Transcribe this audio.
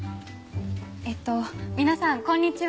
えっと皆さんこんにちは。